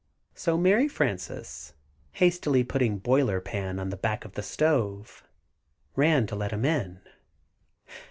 So Mary Frances, hastily putting Boiler Pan on the back of the stove, ran to let him in.